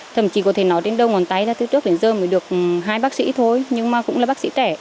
thậm chí có thể nói đến đầu ngón tay là từ trước đến giờ mới được hai bác sĩ thôi nhưng mà cũng là bác sĩ trẻ